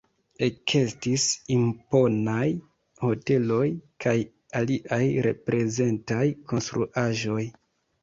Ekestis imponaj hoteloj kaj aliaj reprezentaj konstruaĵoj.